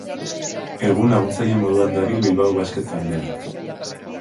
Egun laguntzaile moduan dabil Bilbao Basket taldean.